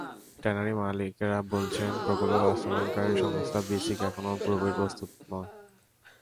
ট্যানারির মালিকেরা বলছেন, প্রকল্প বাস্তবায়নকারী সংস্থা বিসিক এখনো পুরোপুরি প্রস্তুত নয়।